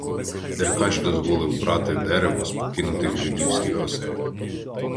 Деркач дозволив брати дерево з покинутих жидівських осель.